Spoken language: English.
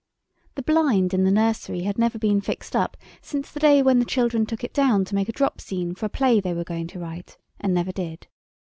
The blind in the nursery had never been fixed up since the day when the children took it down to make a drop scene for a play they were going to write and never did.